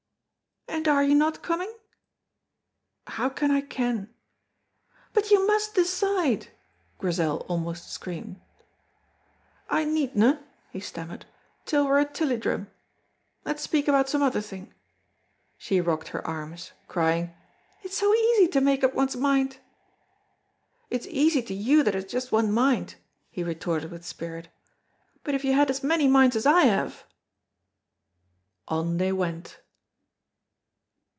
"And are you not coming?" "How can I ken?" "But you must decide," Grizel almost screamed. "I needna," he stammered, "till we're at Tilliedrum. Let's speak about some other thing." She rocked her arms, crying, "It is so easy to make up one's mind." "It's easy to you that has just one mind," he retorted with spirit, "but if you had as many minds as I have !" On they went.